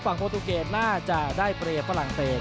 ฝั่งโปรตูเกรดน่าจะได้เปรย์ฝรั่งเตรศ